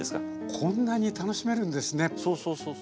こんなに楽しめるんですね。